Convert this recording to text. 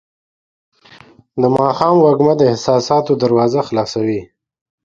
د ماښام وږمه د احساساتو دروازه خلاصوي.